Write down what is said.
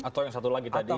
atau yang satu lagi tadi itu